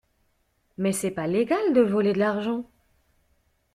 Mais c'est pas légal de voler de l'argent.